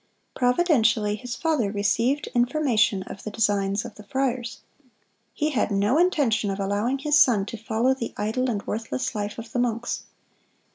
Providentially his father received information of the designs of the friars. He had no intention of allowing his son to follow the idle and worthless life of the monks.